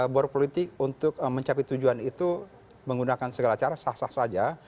berpolitik untuk mencapai tujuan itu menggunakan segala cara sah sah saja